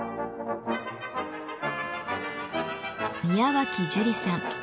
宮脇樹里さん。